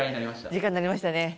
時間になりましたね。